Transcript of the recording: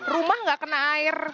rumah enggak kena air